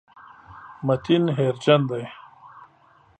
متین هېرجن دی.